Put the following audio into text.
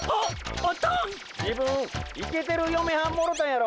自分イケてるよめはんもろたんやろ？